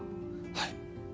はい。